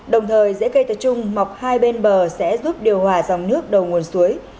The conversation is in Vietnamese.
đồng thời rễ cây tờ trung mọc hai bên bờ sẽ giúp điều hòa dòng nước đầu nguồn suối